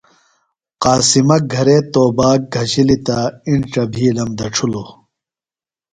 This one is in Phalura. قاسمہ گھرے توباک گھشِلیۡ تہ اِنڇہ بِھیلم دڇھلوۡ۔